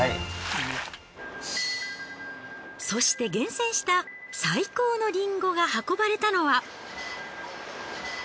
そして厳選した最高のリンゴが運ばれたのは。